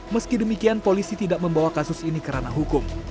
meski demikian polisi tidak membawa kasus ini kerana hukum